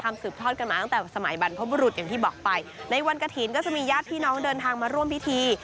สืบทอดกันมาตั้งแต่สมัยบรรพบุรุษอย่างที่บอกไปในวันกระถิ่นก็จะมีญาติพี่น้องเดินทางมาร่วมพิธี